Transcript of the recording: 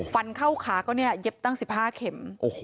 ฟันเข้าขาก็เนี่ยเย็บตั้ง๑๕เข็ม